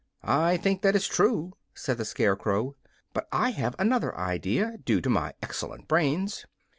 "I think that is true," said the Scarecrow. "But I have another idea, due to my excellent brains.